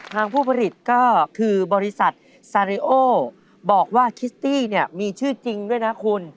ผู้ผลิตก็คือบริษัทซาริโอบอกว่าคิสตี้เนี่ยมีชื่อจริงด้วยนะคุณ